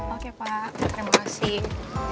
oke pak makasih